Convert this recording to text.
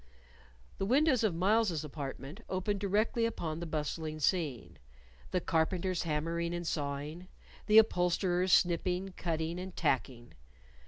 The windows of Myles's apartment opened directly upon the bustling scene the carpenters hammering and sawing, the upholsterers snipping, cutting, and tacking.